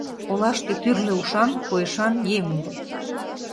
Олаште тӱрлӧ ушан, койышан еҥ уло.